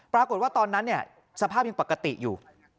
ปรากฏว่าตอนนั้นเนี่ยสภาพยังปกติอยู่